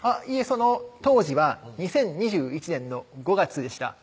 その当時は２０２１年の５月でした